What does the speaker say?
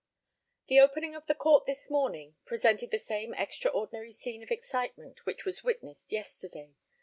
The opening of the Court this morning presented the same extraordinary scene of excitement which was witnessed yesterday.